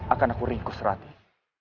akan aku ringkus ratih